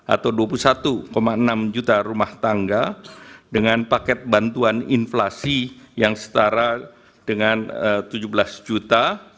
atau dua puluh satu enam juta rumah tangga dengan paket bantuan inflasi yang setara dengan tujuh belas juta